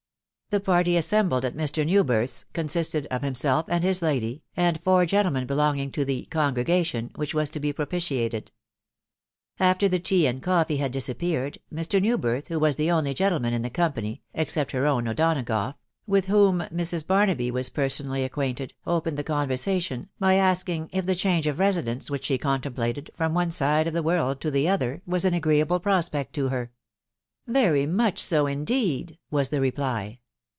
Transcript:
The party assembled at Mr. Newbirth's consisted of himself and his lady, and four gentlemen belonging to " the oon" which was to be propitiated. After the tea and had disappeared, Mr. Newbirth, who was the only in the company (except her own O'Tkro&a^su^'w^Jii Afrs. Barnabj was personal!? ac(^TiV^«\«c^^^ wssw THE WIDOW BABNABY. 4fil tion, by asking if the change of residence which she contem plated, from one side of the world to the other, was an agreeable prospect to her. <c Very much so, indeed !" was the reply.